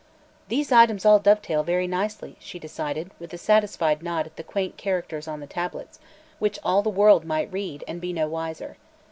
"These items all dovetail very nicely," she decided, with a satisfied nod at the quaint characters on the tablets which all the world might read and be no wiser.